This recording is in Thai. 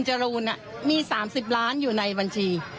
จาวบรัฐไทยและหลังอยู่ในบัญชี